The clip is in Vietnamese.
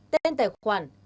tên tài khoản